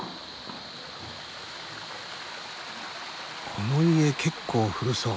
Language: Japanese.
この家結構古そう。